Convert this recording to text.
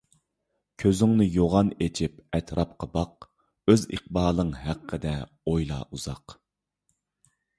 كۆزۈڭنى يوغان ئېچىپ ئەتراپقا باق، ئۆز ئىقبالىڭ ھەققىدە ئويلا ئۇزاق.